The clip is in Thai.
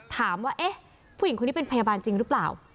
ถามว่าเอ๊ะผู้หญิงว่าคนนี้เป็นพยาบาลรึเปล่า